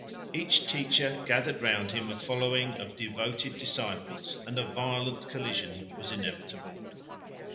Each teacher gathered round him a following of devoted disciples, and a violent collision was inevitable.